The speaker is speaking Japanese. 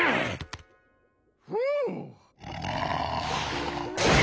ふう。